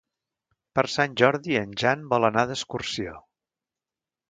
Per Sant Jordi en Jan vol anar d'excursió.